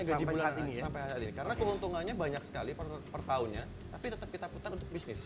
hanya gaji bulanan sampai saat ini karena keuntungannya banyak sekali per tahunnya tapi tetap kita putar untuk bisnis